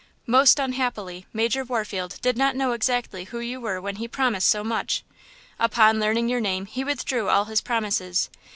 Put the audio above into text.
Most unhappily, Major Warfield did not know exactly who you were when he promised so much. Upon learning your name he withdrew all his promises.